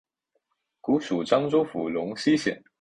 古属漳州府龙溪县。